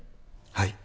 はい。